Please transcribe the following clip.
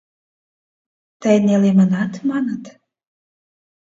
— Тый нелемынат маныт.